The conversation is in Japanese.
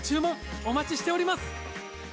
お待ちしております。